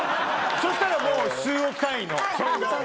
そしたらもう数億単位の損害。